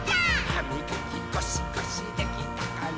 「はみがきゴシゴシできたかな？」